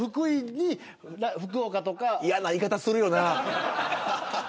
嫌な言い方するよな。